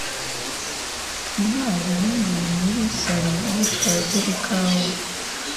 ntwali yinjiye muri salo, yitwaje ikawa